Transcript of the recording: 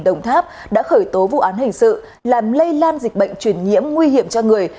công an tp hcm đã khởi tố vụ án hình sự làm lây lan dịch bệnh chuyển nhiễm nguy hiểm cho người